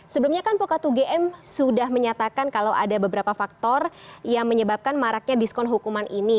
sebelumnya kan pokatu gm sudah menyatakan kalau ada beberapa faktor yang menyebabkan maraknya diskon hukuman ini